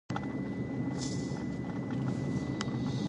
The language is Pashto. د سولې فرهنګ د ښو اړیکو یوه نتیجه ده.